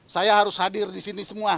saya harus hadir disini semua